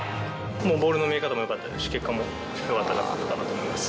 ボールの見え方もよかったですし、結果もよかったと思います。